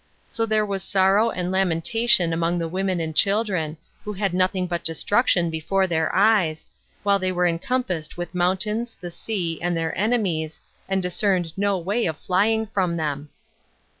So there was sorrow and lamentation among the women and children, who had nothing but destruction before their eyes, while they were encompassed with mountains, the sea, and their enemies, and discerned no way of flying from them.